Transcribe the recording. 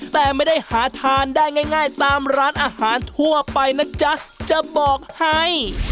แต่ไม่ได้หาทานได้ง่ายตามร้านอาหารทั่วไปนะจ๊ะจะบอกให้